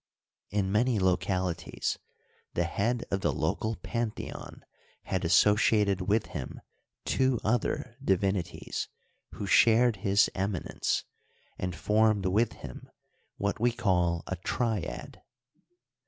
In many localities the head of the local pantheon had associated with him two other divinities, who shared his eminence and formed with him what we call a triad.